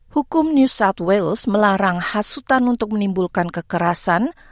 hukum new south wales melarang hasutan untuk menimbulkan kekerasan